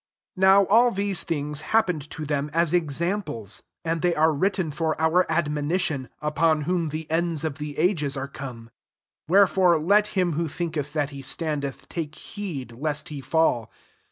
11 Now all these things hap pened to them aa examples; and they are written for our admonition, upon whom the ends of the ages are come« 12^ Wherefore let him who think eth that he standeth, take heed lest he fall.